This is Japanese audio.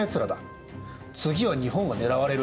次は日本が狙われる。